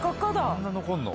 あんな残るの？